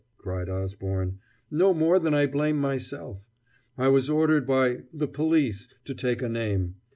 cried Osborne "no more than I blame myself. I was ordered by the police to take a name.